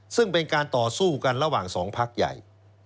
ซึ่งเป็นการต่อสู้กันระหว่างสองพักใหญ่